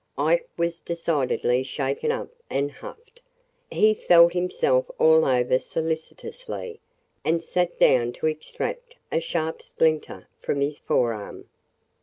Ike was decidedly shaken up and huffed. He felt himself all over solicitously and sat down to extract a sharp splinter from his forearm.